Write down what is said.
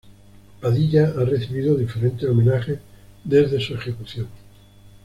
Padilla ha recibido diferentes homenajes desde su ejecución.